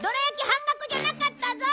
半額じゃなかったぞ！